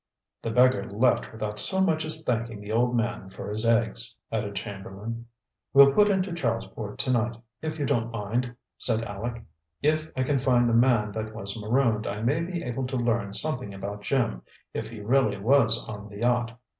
"The beggar left without so much as thanking the old man for his eggs," added Chamberlain. "We'll put into Charlesport to night, if you don't mind," said Aleck. "If I can find the man that was marooned, I may be able to learn something about Jim, if he really was on the yacht.